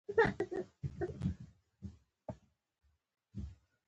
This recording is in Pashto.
غواړم لوړ لاړ شم